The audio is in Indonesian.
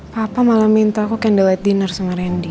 papa malah minta aku kendowet dinner sama randy